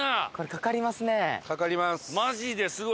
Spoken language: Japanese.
かかります。